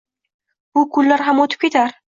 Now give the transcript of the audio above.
Bu kunlar ham o’tib ketar